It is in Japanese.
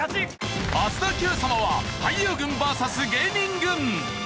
明日の『Ｑさま！！』は俳優軍ＶＳ芸人軍。